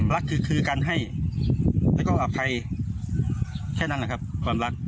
รักคือการให้แล้วก็อภัยแค่นั้นนะครับความรัก